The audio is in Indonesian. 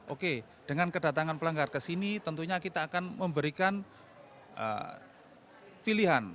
oke dengan kedatangan pelanggar ke sini tentunya kita akan memberikan pilihan